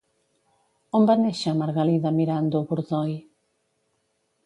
On va néixer Margalida Mirando Bordoy?